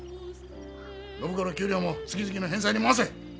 暢子の給料も月々の返済に回せ。